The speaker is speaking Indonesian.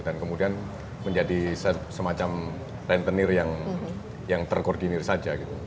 dan kemudian menjadi semacam rentenir yang terkoordinir saja gitu